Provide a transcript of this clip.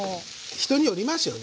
人によりますよねだから。